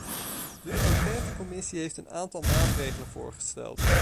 De enquêtecommissie heeft een aantal maatregelen voorgesteld.